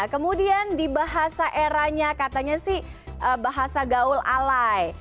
kemudian di bahasa eranya katanya sih bahasa gaul alai